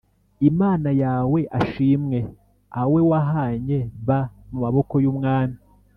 Imana yawe ashimwe a we wahanye b mu maboko y umwami